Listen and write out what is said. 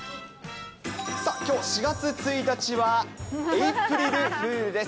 さあ、きょう４月１日はエイプリルフールです。